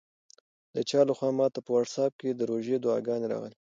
د چا لخوا ماته په واټساپ کې د روژې دعاګانې راغلې.